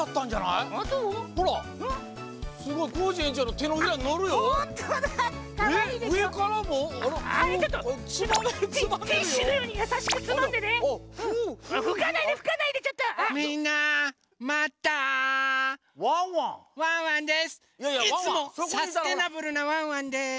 いつもサステナブルなワンワンです。